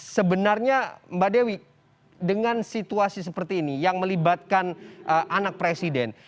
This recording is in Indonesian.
sebenarnya mbak dewi dengan situasi seperti ini yang melibatkan anak presiden